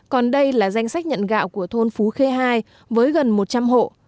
còn đây là danh sách nhận gạo của thôn phú khê hai với gần một trăm linh hộ